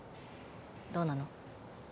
どうなの？